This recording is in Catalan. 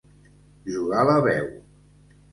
Jugar la veu.